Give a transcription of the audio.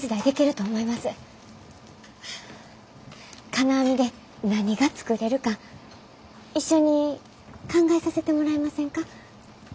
金網で何が作れるか一緒に考えさせてもらえませんか？